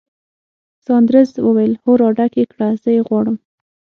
ساندرز وویل: هو، راډک یې کړه، زه یې غواړم.